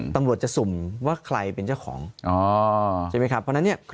ตรงรวจจะสุ่มว่าใครเป็นเจ้าของเพราะฉะนั้นเนี่ย